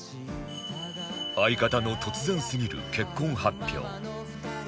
相方の突然すぎる結婚発表